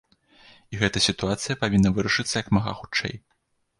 І гэта сітуацыя павінна вырашыцца як мага хутчэй.